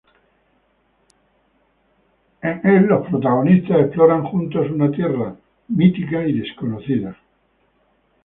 En el los protagonistas exploran juntos una tierra mítica y desconocida.